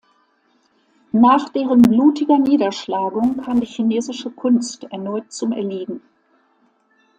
Nach deren blutiger Niederschlagung kam die chinesische Kunst erneut zum Erliegen.